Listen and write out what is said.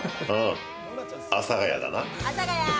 阿佐ヶ谷だな。